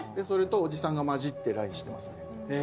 それとおじさんが交じってＬＩＮＥしてますね。